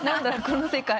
この世界。